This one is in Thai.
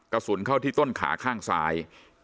กระสุนเข้าที่ต้นขาข้างซ้าย